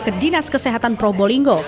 ke dinas kesehatan probolinggo